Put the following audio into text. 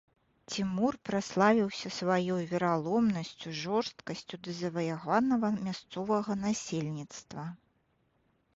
Цімур праславіўся сваёй вераломнасцю, жорсткасцю да заваяванага мясцовага насельніцтва.